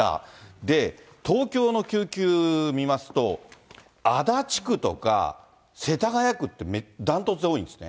で、東京の救急を見ますと、足立区とか世田谷区って、ダントツに多いんですね。